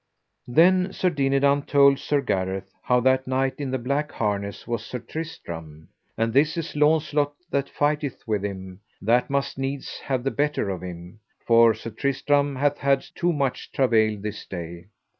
Then Sir Dinadan told Sir Gareth how that knight in the black harness was Sir Tristram: And this is Launcelot that fighteth with him, that must needs have the better of him, for Sir Tristram hath had too much travail this day.